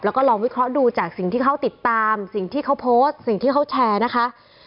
แล้วก็ลองวิเคราะห์ดูจากสิ่งที่เขาติดตามสิ่งที่เขาโพสต์สิ่งที่เขาแชร์นะคะ